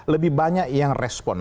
lebih banyak yang respon